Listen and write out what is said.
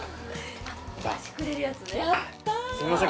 すみません